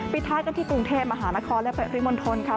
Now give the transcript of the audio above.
ปีท้ายก็ที่กรุงเทพฯมหาละครและฝริมณฑลค่ะ